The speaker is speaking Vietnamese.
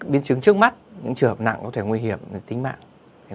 biến chứng trước mắt những trường hợp nặng có thể nguy hiểm đến tính mạng